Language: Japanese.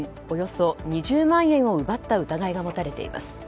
およそ２０万円を奪った疑いが持たれています。